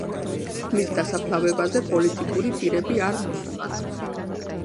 მის დასაფლავებაზე პოლიტიკური პირები არ მოსულან.